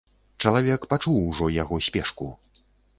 Чалавек пачуў ужо яго спешку.